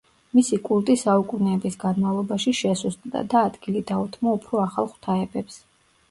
მისი კულტი საუკუნეების განმავლობაში შესუსტდა და ადგილი დაუთმო უფრო „ახალ“ ღვთაებებს.